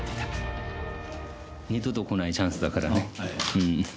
二度とこないチャンスだからね。